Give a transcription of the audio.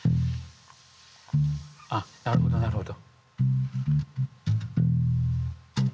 あっなるほどなるほど。